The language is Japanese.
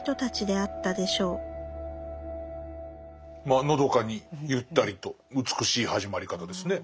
まあのどかにゆったりと美しい始まり方ですね。